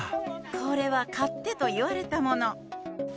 これは買ってと言われたもの。